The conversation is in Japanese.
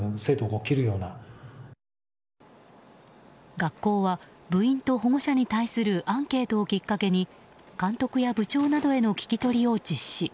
学校は部員と保護者に対するアンケートをきっかけに監督や部長などへの聞き取りを実施。